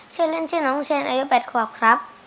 ชื่อเล่นชื่อน้องเชนอายุ๘ขวบครับ